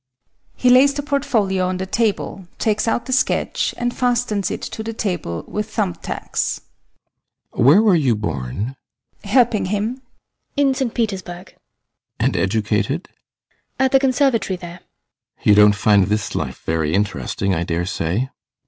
He lays the portfolio on the table, takes out the sketch and fastens it to the table with thumb tacks. ASTROFF. Where were you born? HELENA. [Helping him] In St. Petersburg. ASTROFF. And educated? HELENA. At the Conservatory there. ASTROFF. You don't find this life very interesting, I dare say?